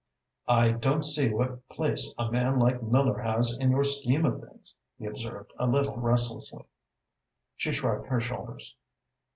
"I don't see what place a man like Miller has in your scheme of things," he observed, a little restlessly. She shrugged her shoulders.